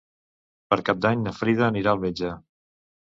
Per Cap d'Any na Frida anirà al metge.